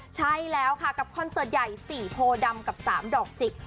ใช่แล้วค่ะกับคอนเสิร์ตใหญ่๔โพดำกับ๓ดอกจิก